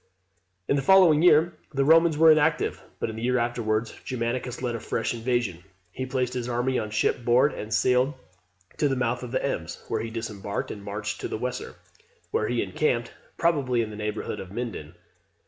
In the following year the Romans were inactive; but in the year afterwards Germanicus led a fresh invasion. He placed his army on ship board, and sailed to the mouth of the Ems, where he disembarked, and marched to the Weser, where he encamped, probably in the neighbourhood of Minden.